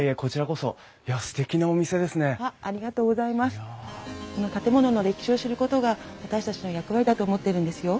この建物の歴史を知ることが私たちの役割だと思ってるんですよ。